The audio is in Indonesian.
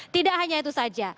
tidak hanya itu saja